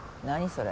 それ。